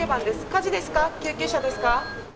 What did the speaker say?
火事ですか、救急車ですか。